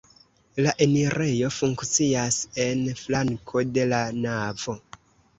La enirejo funkcias en flanko de la navo.